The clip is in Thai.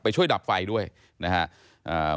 ช่วยดับไฟด้วยนะครับ